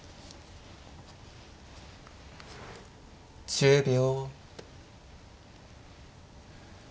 １０秒。